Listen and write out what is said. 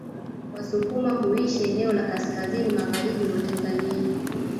Wasukuma huishi eneo la kaskazini magharibi mwa Tanzania